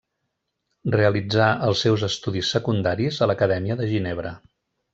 Realitzà els seus estudis secundaris a l'Acadèmia de Ginebra.